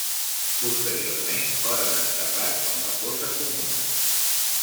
Posteriorment foren enterrats en la fossa comuna.